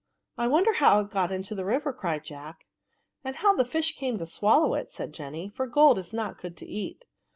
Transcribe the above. " I wonder how it got into the river," cried Jack. *' And how the fish came to swallow it," said Jenny, " for gold is not good to eat."